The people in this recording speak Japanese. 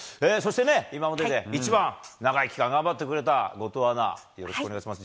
今まで一番長い期間頑張った後藤アナ、よろしくお願いします。